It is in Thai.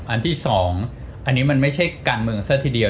อันที่๒อันนี้มันไม่ใช่การเมืองซะทีเดียว